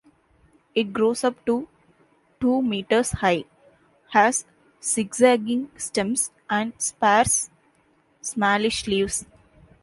It grows up to two metres high, has zigzaging stems, and sparse smallish leaves.